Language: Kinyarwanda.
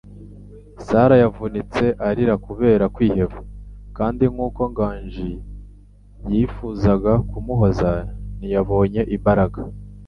Sarah yavunitse arira kubera kwiheba, kandi nk'uko Nganji yifuzaga kumuhoza, ntiyabonye imbaraga.